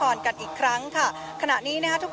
พาคุณผู้ชมไปติดตามบรรยากาศกันที่วัดอรุณราชวรรมมหาวิหารค่ะ